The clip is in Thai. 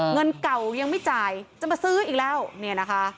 เงินเก่ายังไม่จ่ายจะมาซื้ออีกแล้วเนี่ยนะคะ